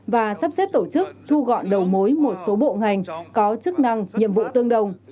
và sắp xếp tổ chức thu gọn đầu mối một số bộ ngành có chức năng nhiệm vụ tương đồng